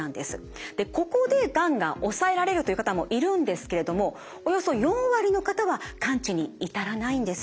ここでがんが抑えられるという方もいるんですけれどもおよそ４割の方は完治に至らないんです。